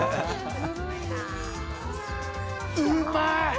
うまい！